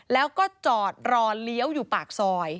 แล้วก็จอดรอเลี้ยวอยู่ปากซอย